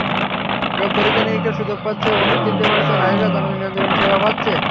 রোগ পরীক্ষা-নিরীক্ষার সুযোগ পাচ্ছে, ওষুধ কিনতে পারছে, নারীরা জন্মনিয়ন্ত্রণ সেবা পাচ্ছে।